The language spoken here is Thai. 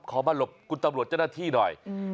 ขอมาหลบคุณตำรวจเจ้าหน้าที่หน่อย